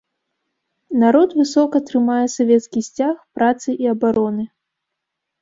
Народ высока трымае савецкі сцяг працы і абароны.